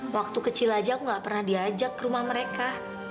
waktu kecil aja aku gak pernah diajak ke rumah mereka